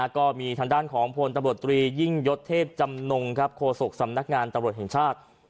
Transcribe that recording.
ก็มีทางด้านของพลตำรวจตรียิ่งยศเทพจำนงโฆษกสำนักงานตำรวจแห่งชาติ